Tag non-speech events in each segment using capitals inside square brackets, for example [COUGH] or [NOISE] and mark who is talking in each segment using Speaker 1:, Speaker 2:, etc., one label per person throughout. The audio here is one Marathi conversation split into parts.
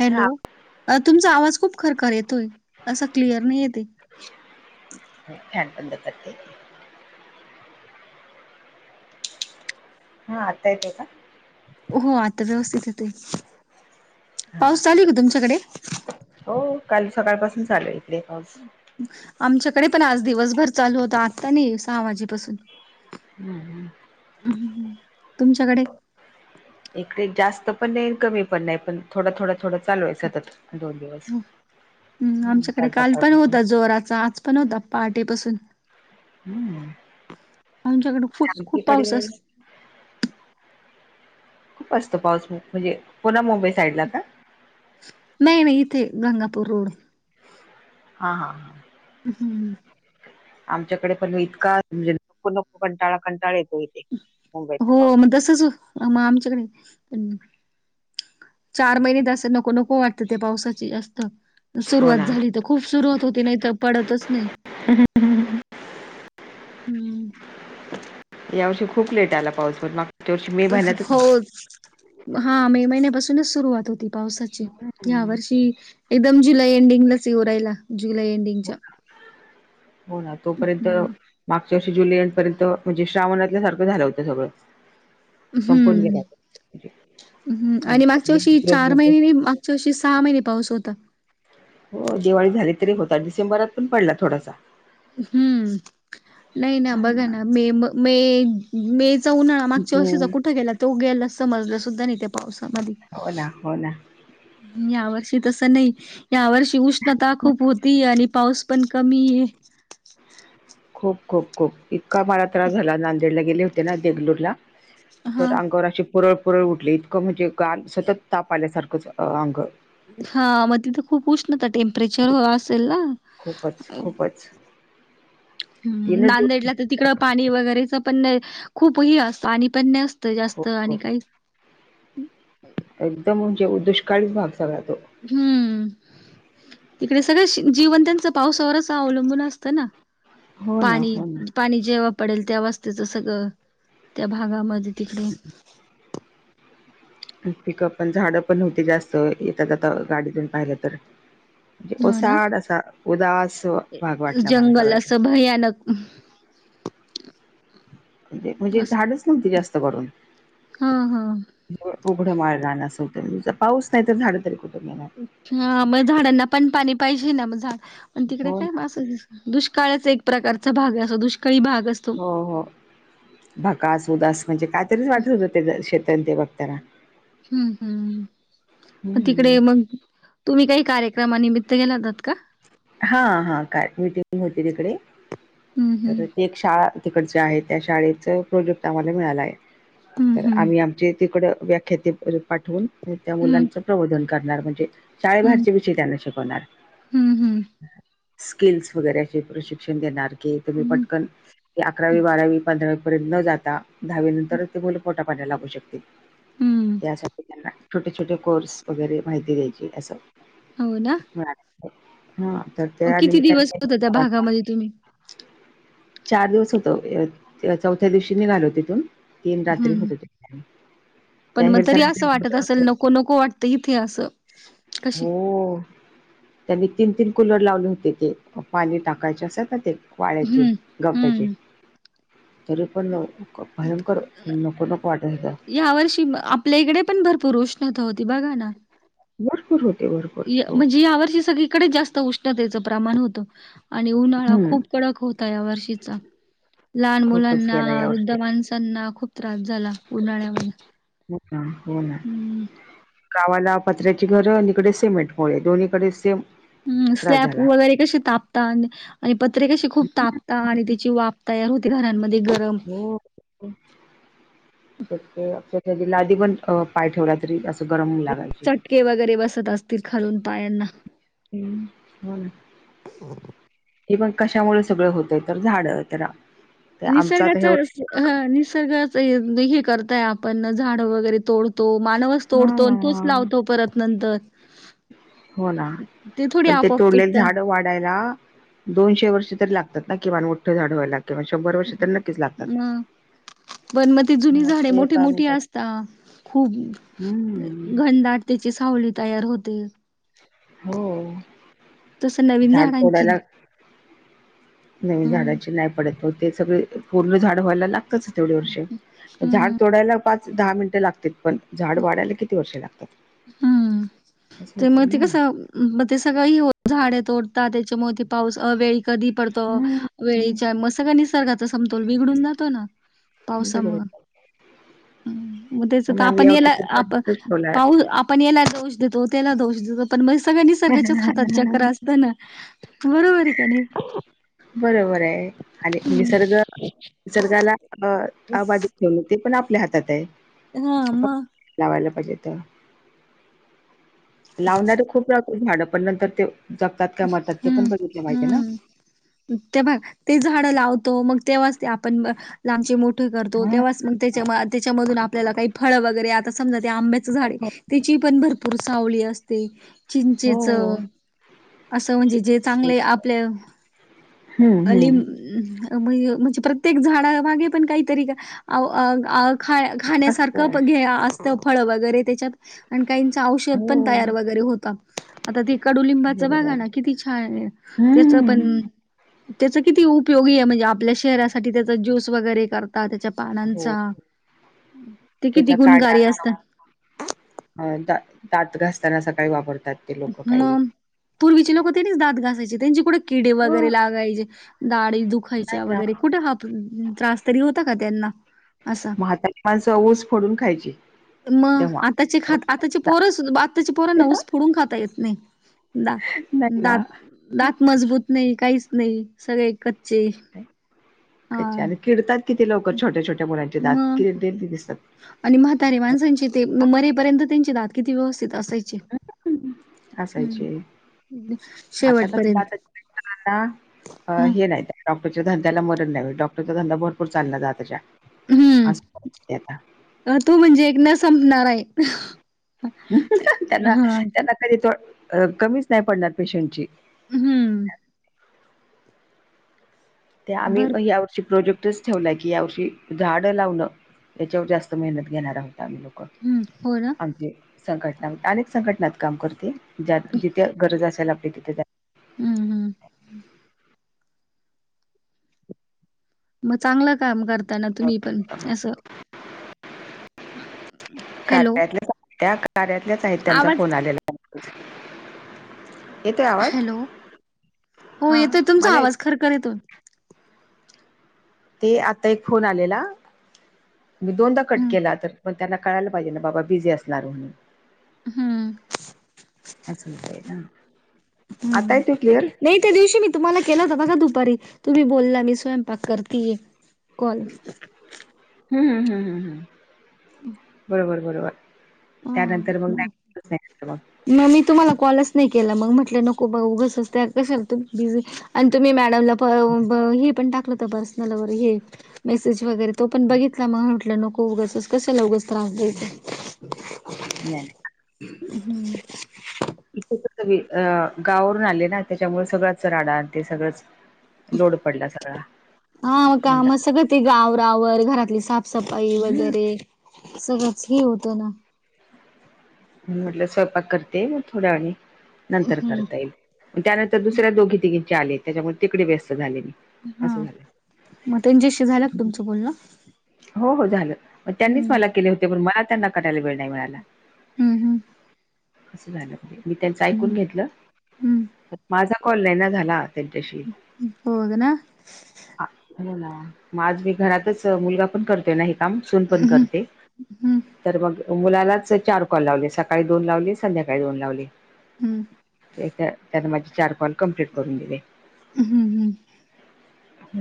Speaker 1: हॅलो!
Speaker 2: हा
Speaker 1: तुमचा आवाज खूप खरखर येतोय असं क्लिअर नाही येत.
Speaker 2: फॅन बंद करते. हा आता येत आहेत का?
Speaker 1: हो आता व्यवस्थित येतोय.
Speaker 2: हा
Speaker 1: पाऊस चालू आहे का तुमच्याकडे?
Speaker 2: हो, काल सकाळ पासून चालू इकडे पाऊस.
Speaker 1: आमच्याकडे पण आज दिवसभर चालू होता आत्ता नाही सहा वाजेपासून.
Speaker 2: ह, ह
Speaker 1: हं हं तुमच्याकडे?
Speaker 2: इकडे जास्त पण नाही, कमी पण नाही, पण थोडा- थोडा थोडं चालू आहे सतत दोन दिवस
Speaker 1: हो. हम्म
Speaker 2: ह
Speaker 1: आमच्याकडे
Speaker 2: काल
Speaker 1: पण
Speaker 2: सकाळपासून.
Speaker 1: होता जोराचा आज. पणहोता. पहाटेपासून
Speaker 2: हम्म!
Speaker 1: आमच्याकडे खूप खूप पाऊस
Speaker 2: आमच्याकडे
Speaker 1: असतो.
Speaker 2: खूप असतो पाऊस म्हणजे पुन्हा मुंबई साईडला का?
Speaker 1: नाही नाही इथे गंगापूर रोड,
Speaker 2: हा हा हा.
Speaker 1: हम्म.
Speaker 2: आमच्याकडे पण इतका म्हणजे नको नको कंटाळा कंटाळा येतोये.
Speaker 1: हो म तसच म आमच्याकडे पण चार महिनेत नको नको वाटतं ते पावसाची जास्त
Speaker 2: हो
Speaker 1: सुरुवात
Speaker 2: ना
Speaker 1: झाली तर खूप सुरुवात होते नाही तर पडतच नाही. हम्म
Speaker 2: [UNINTELLIGIBLE] या वर्षी खूप लेट आला पाऊस पण मागच्या वर्षी मे महिन्यातच
Speaker 1: हो हा मे महिन्यापासूनच सुरुवात होती पावसाची ह्या
Speaker 2: हम्म
Speaker 1: वर्षी एकदम जुलै एंडिंगलाच येवू रायला. जुलै एंडिंगच्या
Speaker 2: हो ना तोपर्यंत
Speaker 1: हम्म.
Speaker 2: मागच्या वर्षी जुलैं एंड पर्यंत श्रावणातल्या सारखं झालं होतं. संपून
Speaker 1: हम्म
Speaker 2: गेला म्हणजे.
Speaker 1: हम्म आणि मागच्या वर्षी चार महिने नई माग [UNINTELLIGIBLE] तशी सहा महिने पाऊस होता.
Speaker 2: हो दिवाळी झाली तरी होता डिसेंबरात पण पडला थोडासा
Speaker 1: हम्म नाही ना
Speaker 2: हां,
Speaker 1: बघा ना मे म मे मे चा उन्हाळा मागच्या वर्षी
Speaker 2: जून
Speaker 1: कुठे गेला तो गेला समजला सुद्धा नाही त्या पावसामधी
Speaker 2: होना होना.
Speaker 1: यावर्षी तस नाही यावर्षी उष्णता खूप होती आणि पाऊस पण कमी ये.
Speaker 2: खूप खूप खूप इतका मला त्रास झाला नांदेडला गेले होते ना देगलूरला तर
Speaker 1: हा
Speaker 2: अंगावर अशी पुरळ पुरळ उठली इतकं म्हणजे गार सतत ताप आल्यासारखंच अंग.
Speaker 1: हा मग तिथं खूप उष्णता टेम्परेचर असेल ना.
Speaker 2: खूपच
Speaker 1: अ
Speaker 2: खूपच
Speaker 1: हम्म
Speaker 2: तीनच दिवस
Speaker 1: नांदेडला तर तिकडं पाणी वगैरेच पण खूप हे असं पाणी पण नसतं जास्त
Speaker 2: खूप
Speaker 1: आणि
Speaker 2: खूप
Speaker 1: काहीच
Speaker 2: एकदम म्हणजे दुष्काळीच भाग सगळा तो.
Speaker 1: हम्म तिकडे सगळे जिवन त्यांचं पावसावरच अवलंबून असतं ना
Speaker 2: हो ना
Speaker 1: पाणी
Speaker 2: हो ना
Speaker 1: पाणी जेव्हा पडेल त्या वास्तुचं सगळं त्या भागामध्ये तिकडे
Speaker 2: पिकं पण झाडं पण होती जास्त येेता जाता गाडीतून पाहिलं तर म्हणजे
Speaker 1: हो ना
Speaker 2: ओसाड असा उदास भाग वाटला मला
Speaker 1: जंगल
Speaker 2: सगळा.
Speaker 1: असं भयानक. [UNINTELLIGIBLE]
Speaker 2: म्हणजे म्हणजे
Speaker 1: अस
Speaker 2: झाडच नव्हती जास्त करून
Speaker 1: हा हा
Speaker 2: उघडं माळ रान असं होतं पाऊस नाही तर झाडं तरी कुठुन येणार.
Speaker 1: हा मग झाडांना पण पाणी पाहिजे ना मग झाड पण तिकडे
Speaker 2: हो
Speaker 1: काय
Speaker 2: ना
Speaker 1: मास दुष्काळच एक प्रकारचा भाग असतो दुष्काळी भाग असतो.
Speaker 2: हो हो भकास उदास म्हणजे कायतरीच वाटत होतं ते शेत तेन बघताना.
Speaker 1: हम्म हम्म हम्म पण
Speaker 2: हम्म
Speaker 1: तिकडे मग तुम्ही काही कार्यक्रमा निमित्त गेला होतात का?
Speaker 2: हा हा काय मीटिंग होती तिकडे
Speaker 1: हं
Speaker 2: तर
Speaker 1: हं.
Speaker 2: एक शाळा तिकडची आहे त्या शाळेचं प्रोजेक्ट आम्हाला मिळाला आहे.
Speaker 1: हं
Speaker 2: तर
Speaker 1: हं.
Speaker 2: आम्ही आमच्या तिकडं व्याख्याते पाठवून त्या
Speaker 1: हं
Speaker 2: मुलांच प्रबोधन करणार म्हणजे शाळेबाहेरचे विषय त्यांना शिकवणार.
Speaker 1: हम्म हम्म.
Speaker 2: स्किल्स वगैरे असे प्रशिक्षण देणार तुम्ही
Speaker 1: हं.
Speaker 2: पटकन ते अकरावी बारावी पंधरावी पर्यंत न जाता दहावी नंतरच ते मुले पोटापाण्याला लागू शकतील
Speaker 1: हं.
Speaker 2: यासाठी त्यांना छोटे छोटे कोर्स वगैरे माहिती द्यायची असं.
Speaker 1: हो ना
Speaker 2: मिळालं हा तर ते
Speaker 1: मग
Speaker 2: आले
Speaker 1: किती
Speaker 2: मी
Speaker 1: दिवस होता त्या
Speaker 2: त्यांना
Speaker 1: भागामध्ये तुम्ही?
Speaker 2: चार दिवस होतो चौथ्या दिवशी निघालो तिथून तीन रात्री
Speaker 1: हं.
Speaker 2: होतो तिकडे
Speaker 1: पण मग तरी असं वाटतं असेल नको नको वाटतं इथे असं कशी
Speaker 2: हो त्यांनी तीन तीन कुलर लावले होते ते पाणी टाकायचे असतात ना ते वाळ्याचे
Speaker 1: हं.
Speaker 2: गपचे
Speaker 1: हं.
Speaker 2: तरी पण भयंकर नको नको वाटायचे
Speaker 1: या वर्षी आपल्या इकडे पण भरपूर उष्णता होती बघा ना
Speaker 2: [UNINTELLIGIBLE] हो
Speaker 1: म्हणजे यावर्षी सगळीकडे जास्त उष्णतेचं प्रमाण होतं. आणि उन्हाळा
Speaker 2: हम्म
Speaker 1: खूप कडक होता या वर्षीचा लहान
Speaker 2: खूपच
Speaker 1: मुलांना
Speaker 2: गेला
Speaker 1: वृद्ध
Speaker 2: यावर्षी
Speaker 1: माणसांना खूप त्रास झाला उन्हाळ्यामध्ये
Speaker 2: हो का हो ना
Speaker 1: हम्म
Speaker 2: गावाला पत्र्याची घरं आणि इकडे सिमेंटमुळे दोन्हीकडे सेम
Speaker 1: ह
Speaker 2: त्रास
Speaker 1: स्लॅब
Speaker 2: झाला
Speaker 1: वगैरे कसे तापता आणि पत्रे कशी खूप तापता आणि त्याची वाफ तयार होते घरांमध्ये गरम
Speaker 2: हो अक्षरशः लाधी पण पाय ठेवला तरी असं त गरमही लागयचे
Speaker 1: के वगैरे बसत असतील खालून पायांना
Speaker 2: हम्म हो ना
Speaker 1: हो
Speaker 2: हे बघ कशामुळे सगळं होतंय तर झाड
Speaker 1: निसर्गाच असं हं निसर्गाचा हे करताय आपण झाड वगैरे तोडतो मानव तोडतो आणि तोच
Speaker 2: हा
Speaker 1: लावतो परत नंतर.
Speaker 2: हो ना
Speaker 1: थोडी
Speaker 2: पण ते
Speaker 1: आपोआप
Speaker 2: तोडले
Speaker 1: तुटतात
Speaker 2: झाड वाढायला दोनशे वर्ष तरी लागतात ना किमान मोठं झाड व्हायला? किंवा शंभर वर्ष तर नक्कीच लागतात.
Speaker 1: हम्म पण मग ती जुनी
Speaker 2: हा
Speaker 1: झाडे
Speaker 2: ते
Speaker 1: मोठी
Speaker 2: एका
Speaker 1: मोठी
Speaker 2: मिनिटात
Speaker 1: असतात अं खूप
Speaker 2: हम्म.
Speaker 1: घनदाट त्याची सावली तैयार होते.
Speaker 2: हो
Speaker 1: तसं नवीन
Speaker 2: झाड
Speaker 1: झाडांची
Speaker 2: फोडायला नवीन
Speaker 1: हम्म
Speaker 2: झाडाचे नाही पडत ते सगळे पूर्ण झाड व्हायला लागतच. वर्ष झाड
Speaker 1: हम्म
Speaker 2: तोडायला पाच दहा मिनिटं लागते पण झाड वाढायला किती वर्षे लागतात?
Speaker 1: हम्म
Speaker 2: असं
Speaker 1: ते
Speaker 2: होतय
Speaker 1: मग ते
Speaker 2: ना
Speaker 1: कसं मग ते सगळं ही झाडे तोडतात त्याच्यामुळे ती पाऊस अवेळी कधी पडतो.
Speaker 2: हम्म
Speaker 1: वेळेच्या मग सग निसर्गाचा समतोल बिघडून जातो ना.
Speaker 2: अगदी बरोबर
Speaker 1: पावसामुळे मग त्याच
Speaker 2: पण आम्ही
Speaker 1: आपण
Speaker 2: यावर्षी
Speaker 1: याला
Speaker 2: तर
Speaker 1: आप
Speaker 2: प्रश्नला
Speaker 1: पाऊस आपण याला दोष देतो त्याला दोष देतो. पण मग सगळं निसर्गाच्याच हातात चक्र असत ना बरोबर आहे का नाही?
Speaker 2: बरोबर आहे आणि निसर्ग निसर्गाला अ अबाध ठेव ते पण आपल्या हातात आहे.
Speaker 1: हा
Speaker 2: आपण
Speaker 1: मग
Speaker 2: लावायला पाहिजेत लावणारे खूप लावतेत झाडें पण नंतर तो जगतात का मरतात ते
Speaker 1: हम्म
Speaker 2: पण बघितले माहितीे ना?
Speaker 1: हम्म ते बघ ते झाडं लावतो मग तेव्हाच ते आपण लांबचे मोठे करतो
Speaker 2: हा
Speaker 1: तेव्हाच मग त्याच्या त्याच्यामधून आपल्याला काही फळ वगैरे आता समजा ते आंब्याचं झाडे त्याची पण भरपूर सावळी असते चिंचेच
Speaker 2: हो.
Speaker 1: असं म्हणजे जे चांगले आपल्या
Speaker 2: हम्म
Speaker 1: अं
Speaker 2: हम्म
Speaker 1: म्ह म्हणजे प्रत्येक झाडामागे पण काहीतरी अव अग अग खाण्या खाण्यासारखं
Speaker 2: असतय.
Speaker 1: पघे असतं फळ वगैरे त्याच्यात आणि काहींचा औषध पण
Speaker 2: हो.
Speaker 1: तयार वगैरे होत. आता ते कडुलि ते बघा
Speaker 2: बरोबर.
Speaker 1: ना, किती छान आहे. त्याच पण
Speaker 2: हम्म.
Speaker 1: त्याच किती उपयोगी आहे, म्हणजे आपल्या शरीरासाठी त्याचा ज्यूस वगैरे कर ता त्याच्या
Speaker 2: हो
Speaker 1: पानांचा, ते किती तरी
Speaker 2: त्याच्या काड्या
Speaker 1: गुणकारी असत.
Speaker 2: अ दा दात घासताना सकाळी वापरतात. ते लोक काही.
Speaker 1: हूं पूर्वीचे लोक त्यांनीच दात घासायचे, त्यांची कुठं किडे
Speaker 2: हो
Speaker 1: वगैरे लागायचे? दाडि
Speaker 2: नाही
Speaker 1: दुखायच्या
Speaker 2: ना.
Speaker 1: वगैरे कुठं हा त्रास तरी होता का त्यांना? असा
Speaker 2: म्हातारी माणसं ऊस फोडून खायचे
Speaker 1: मग
Speaker 2: तेव्हा.
Speaker 1: आताचे खात आताची पोरं आताची पोरांना ऊस फोडून खाता येत नाही. दा
Speaker 2: नाही ना.
Speaker 1: दात दात मजबूत नाही काहीच नाही सगळे कच्चे हा
Speaker 2: त्याचानं किडतात किती लवकर छोट्या छोट्या मुलांचे दात,
Speaker 1: मग
Speaker 2: किडलेले दिसतात.
Speaker 1: आणि म्हातारे माणसांची ते मरेपर्यंत त्यांची दात किती व्यवस्थित असाय. छे हं
Speaker 2: असायचे आता
Speaker 1: शेवटपर्यंत
Speaker 2: [UNINTELLIGIBLE] हं
Speaker 1: ह
Speaker 2: हे नाही त्या डॉक्टरच्या धंद्याला मरण नाही, डॉक्टरचा धंदा भरपूर चालणार ये आताच्या. अस आता [UNINTELLIGIBLE]
Speaker 1: ऋतू म्हणजे एक न संपणार आहे.
Speaker 2: त्यांना
Speaker 1: हा
Speaker 2: त्यांना कधी कमीच नाही पडणार पेशंटची.
Speaker 1: हम्म.
Speaker 2: त्या आम्ही
Speaker 1: बर
Speaker 2: मं या वर्षी प्रोजेक्टच ठेवला की यावर्षी झाडं लावणं याच्यावर जास्त मेहनत घेणार आहोत आम्ही लोक
Speaker 1: हम्म हो नां
Speaker 2: म्हणजे संघटना काम करते ज्यात जिथे गरज असेल आपली ति
Speaker 1: हम्म हम्म म चांगला काम करताना तुम्ही पण असं हॅलो
Speaker 2: कार्या कार्यातल्याच आहेत त्यांचा
Speaker 1: आवाज
Speaker 2: फोन आलेला. [UNINTELLIGIBLE] येतोय आवाज
Speaker 1: हॅलो हो
Speaker 2: हा
Speaker 1: येतोय तुमचा
Speaker 2: मला येत
Speaker 1: आवाज खरखर येतो.
Speaker 2: ते आता एक फोन आलेला. मी दोनदा कट
Speaker 1: हम्म
Speaker 2: केला तर पण त्यांना कळायला पाहिजे ना बाबा बिझी असणार म्हणून
Speaker 1: हम्म
Speaker 2: असं होतय ना आता
Speaker 1: हम्म
Speaker 2: येतोय क्लिअर
Speaker 1: नाही त्या दिवशी मी तुम्हाला केला होता बघा दुपारी तुम्ही बोलला मी स्वयंपाक करती कॉल
Speaker 2: हम् हम हम् हम ह्
Speaker 1: [UNINTELLIGIBLE]
Speaker 2: बरोबर बरोबर त्यानंतर मग नाही [UNINTELLIGIBLE]
Speaker 1: नाय मी तुम्हाला कॉलच नाही केला मग म्हटलं नको बघ उगचचं त्या कशा तुम्ही बिझी आणि तुम्ही मॅडमला तो ब हे पण टाकलं होत पर्सनल व हे मेसेज वगैरे तो पण बघित त मग म्हटलं नको उगसच कशाला उगाच त्रास द्यायचा.
Speaker 2: नाय अ गावावरून आले ना त्याच्यामुळे सगळा आजचा राडा आणि ते सगळंच लोड पडला सगळा
Speaker 1: हा का
Speaker 2: म्हणला
Speaker 1: म सगळं ते आवराआवर घरातली साफसफाई
Speaker 2: हम्म
Speaker 1: वगैरे सगळंच हे होतं ना
Speaker 2: म्हणुन म्हटलं स्वयंपाक करते थोड्या वेळानी नंतर
Speaker 1: हम्म
Speaker 2: करता येईल. त्यानंतर दुसऱ्या दोघी तिघींचे आले त्याच्यामुळे तिकडे व्यस्त झाले मी असं
Speaker 1: हा,
Speaker 2: झालं
Speaker 1: मग त्यांच्याशी झाला का तुमचं बोलण?
Speaker 2: हो हो झालं मग त्यांनीच मला केले होते पण मला त्यांना करायला वेळ नाही मिळाला.
Speaker 1: हम हम.
Speaker 2: झालं मी त्यांचं ऐकून
Speaker 1: हम्म
Speaker 2: घेतलं,
Speaker 1: हम्म
Speaker 2: माझा कॉल नाही ना झाला त्यांच्याशी.
Speaker 1: होय ना.
Speaker 2: हो ना मग आज मी घरातच मुलगा पण करतोय ना हे काम सून पण करते.
Speaker 1: हम्म
Speaker 2: तर मग मुलालाच चार कॉल लावले सकाळी दोन लावले संध्याकाळी दोन लावली.
Speaker 1: हम्म
Speaker 2: त्याला माझे चार कॉल कम्प्लीट करून दिले.
Speaker 1: हम् हम्.
Speaker 2: [INAUDIBLE]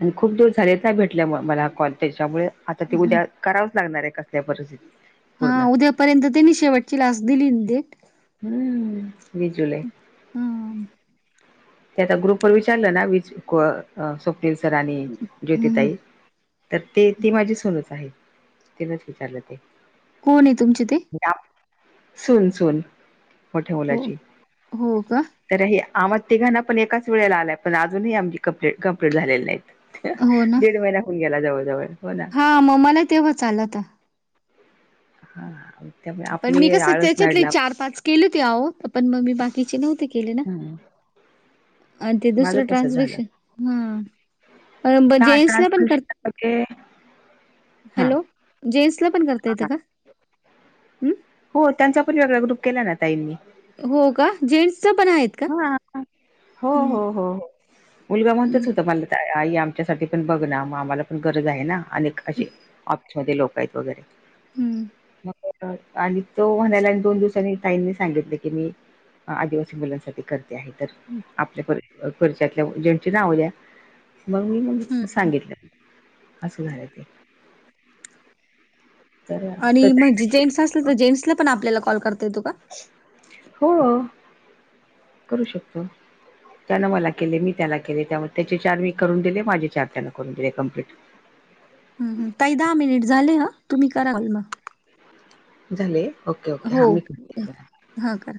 Speaker 2: आणि खूप दिवस झालेच भेटल्यामुळे मला कॉल त्याच्यामुळे. तर ते
Speaker 1: हम्म
Speaker 2: उद्या करावंच लागणार आहे कसल्या परिस्थितीत
Speaker 1: हा
Speaker 2: पूर्ण.
Speaker 1: उद्यापर्यंत त्यांनी शेवटची लास्ट दिली देट.
Speaker 2: हम्म विजुलय.
Speaker 1: हम.
Speaker 2: ते आता ग्रुपवर विचारलं ना विचारलं स्वप्नील सर आणि
Speaker 1: हम्म
Speaker 2: ज्योतिताई. तर ते ती माझी सूनच आहे तिनच विचारलं ते.
Speaker 1: कोण आहे तुमचे ते?
Speaker 2: सून-सून मोठ्या
Speaker 1: हो
Speaker 2: मुलाची.
Speaker 1: हो का
Speaker 2: [INAUDIBLE] तर हे आम्हा तिघांण पण एकाच वेळेला आलाय पण अजूनही आम क कंमप्लीट झालेली नाही.
Speaker 1: हो ना
Speaker 2: दीड महिना्या होवून गेला जवळ जवळ हो ना.
Speaker 1: हा मग मला तेव्हा चालत.
Speaker 2: हा हा. त्यामुळे
Speaker 1: पण मी
Speaker 2: आपली
Speaker 1: कसं
Speaker 2: आळस
Speaker 1: त्याच्यातलं
Speaker 2: नाडला
Speaker 1: चार-पाच. केले ते आहो पण मम्मी बाकीचे नव्हते केले ना.
Speaker 2: माझं
Speaker 1: [INAUDIBLE] अ ते दुसरं
Speaker 2: तसं झालं
Speaker 1: ट्रान्सलेशन हा जेंट्स ला पण करत.
Speaker 2: एक [INAUDIBLE]
Speaker 1: हॅलो! जेन्स ला पण करता येतं का? हम्म
Speaker 2: हो त्यांचा पण वेगळा ग्रुप केला ना ताईंनी.
Speaker 1: हो का जेंट्स पण आहेत का?
Speaker 2: हा हा. हो हो हो मुलगा म्हणतच
Speaker 1: हम्म
Speaker 2: होता मला. आई आमच्यासाठी पण बघ ना मग आम्हाला पण गरज आहे ना अनेक असे ऑफिसमध्ये लोक आहेत वगैरे.
Speaker 1: हम्म
Speaker 2: मग आणि तो म्हणायला आणि दोन दिवसांनी ताईंनी सांगितले की मी. आदिवासी मुलांसाठी करते आहे तर आपल्या खर्च्यातल्या जेची नाव द्या. मग मी मग
Speaker 1: हम्म.
Speaker 2: सांगितलं असं झालं ते. तर तर
Speaker 1: आणि
Speaker 2: ताई
Speaker 1: म्हणजे जेंट्स असले तर जेंट्सला पण आपल्याला कॉल करता येतो का?
Speaker 2: हो. करू शकतो. त्यानं मला केले मी त्याला केले त्यामुळे त्याचे चार मी करून दिले माझे चार त्यांना करून दिले कमप्लीट.
Speaker 1: ह काही दहा मिनिट झाले ह तुम्ही करा कॉल मग.
Speaker 2: झाले ओके-ओके हा मी करते.
Speaker 1: हा करा.